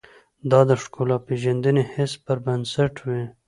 دا د ښکلا پېژندنې حس پر بنسټ وي.